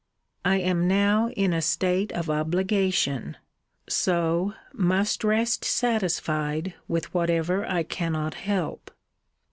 I am now in a state of obligation: so must rest satisfied with whatever I cannot help.